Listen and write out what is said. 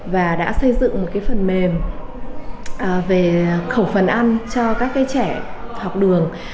và đã xây dựng một phần mềm về khẩu phần ăn cho các trẻ học đường